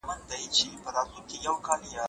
آيا موږ د خپلې ټولنې په اړه پوهېږو؟